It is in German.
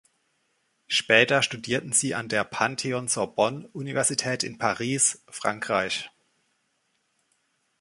Später studierten sie an der Pantheon-Sorbonne Universität in Paris, Frankreich.